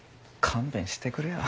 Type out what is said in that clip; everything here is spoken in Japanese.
勘弁してくれよ。